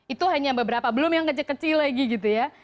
itu hanya beberapa belum yang kecil kecil lagi gitu ya